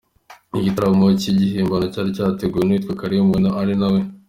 igitaramo cyigihimbano cyari cyateguwe nuwitwa Karim Ueno ari na we.